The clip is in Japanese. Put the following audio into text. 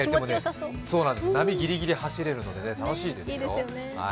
波ギリギリ走れるので楽しいですよ。